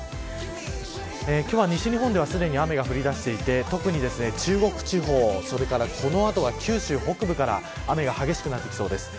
西日本ではすでに雨が降りだしていて特に中国地方、この後は九州北部から雨が激しくなってきそうです。